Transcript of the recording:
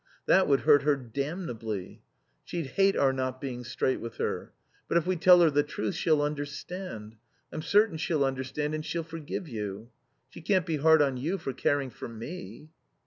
That would hurt her damnably. She'd hate our not being straight with her. But if we tell her the truth she'll understand. I'm certain she'll understand and she'll forgive you. She can't be hard on you for caring for me."